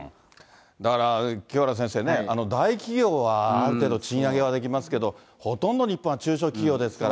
だから清原先生ね、大企業はある程度賃上げはできますけど、ほとんど、日本は中小企業ですから。